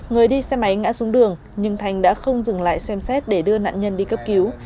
người đi xe máy ngã xuống đường nhưng thành đã không dừng lại xem xét để đưa nạn nhân đi cấp cứu